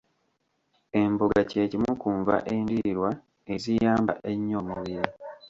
Emboga kye kimu ku nva endiirwa eziyamba ennyo omubiri.